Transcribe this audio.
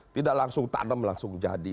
tidak langsung tanam langsung jadi